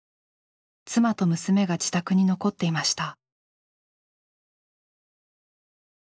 妻と娘が自宅に残っていました。